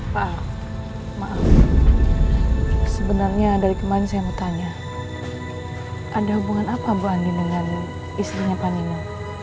pak maaf sebenarnya dari kemarin saya mau tanya ada hubungan apa bu andin dengan istrinya pak nino